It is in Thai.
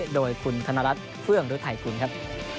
โดยคุณคณรัฐเฟื่องรุทัยคุณครับ